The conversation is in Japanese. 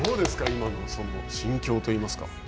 今の心境といいますか。